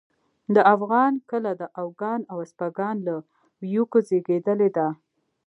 د افغان کله د اوگان او اسپاگان له ويوکو زېږېدلې ده